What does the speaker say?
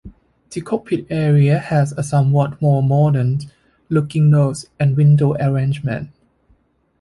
The cockpit area has a somewhat more "modern" looking nose and window arrangement.